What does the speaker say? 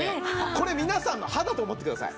これ皆さんの歯だと思ってください。